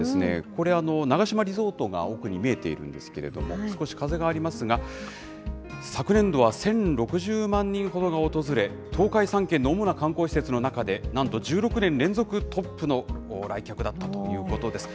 これ、長島リゾートが奥に見えているんですけれども、少し風がありますが、昨年度は１０６０万人ほどが訪れ、東海３県の主な観光施設の中で、なんと１６年連続トップの来客だったということです。